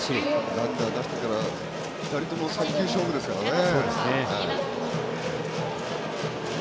ランナー出したら２人とも３球勝負ですからね。